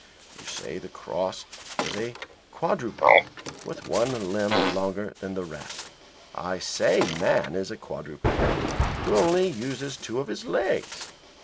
You say the cross is a quadruped with one limb longer than the rest. I say man is a quadruped who only uses two of his legs."